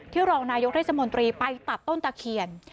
รองนายกเทศมนตรีไปตัดต้นตะเคียน